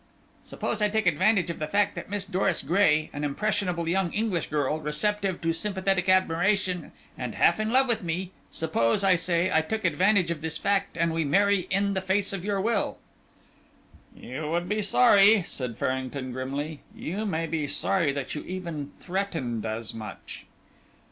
"Suppose I take advantage of the fact that Miss Doris Gray, an impressionable young English girl, receptive to sympathetic admiration and half in love with me suppose, I say, I took advantage of this fact, and we marry in the face of your will?" "You would be sorry," said Farrington, grimly; "you may be sorry that you even threatened as much."